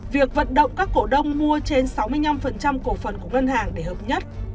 việc vận động các cổ đông mua trên sáu mươi năm cổ phần của ngân hàng để hợp nhất